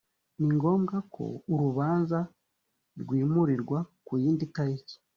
ni ngombwa ko urubanza rwimurirwa ku yindi taliki